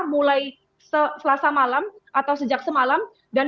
mulai selasa malam atau sejak semalam